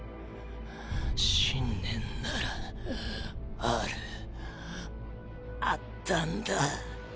信念ならあるあったんだ！